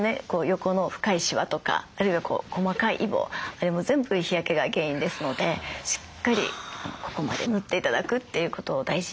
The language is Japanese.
横の深いシワとかあるいは細かいイボあれも全部日焼けが原因ですのでしっかりここまで塗って頂くということ大事になります。